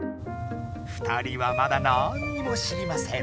２人はまだなんにも知りません。